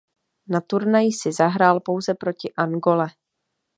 Na turnaji si zahrál pouze proti Angole.